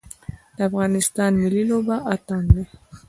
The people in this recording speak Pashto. د افغانستان ملي لوبه اتن دی